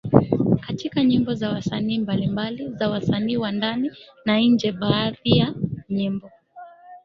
katika nyimbo za wasanii mbalimbali za wasanii wa ndani na nje Baadhi ya nyimbo